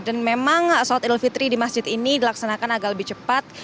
dan memang sholat idul fitri di masjid ini dilaksanakan agak lebih cepat